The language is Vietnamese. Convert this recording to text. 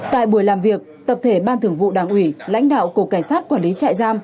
tại buổi làm việc tập thể ban thường vụ đảng ủy lãnh đạo cục cảnh sát quản lý trại giam